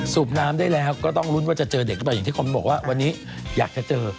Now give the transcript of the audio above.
สูบน้ำได้แล้วก็ต้องลุ้นว่าจะเจอเด็กหรือเปล่าอย่างที่คนบอกว่าวันนี้อยากจะเจอ